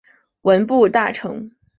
文部大臣。